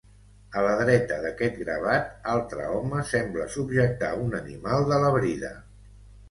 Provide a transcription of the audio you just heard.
A la dreta d'aquest gravat altre home sembla subjectar un animal de la brida.